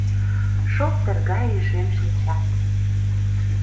Шоптыр гае шем шинчат.